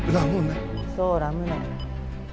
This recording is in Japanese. そうラムネ。